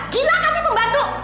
gila kata pembantu